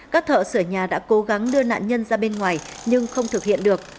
các thợ sửa nhà đã cố gắng đưa nạn nhân ra bên ngoài nhưng không thực hiện được